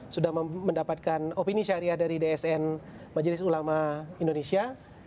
sudah mendapatkan opini syariah dari dsn majelis ulama indonesia